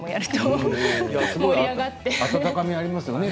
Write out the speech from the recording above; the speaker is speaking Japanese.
温かみがありますよね。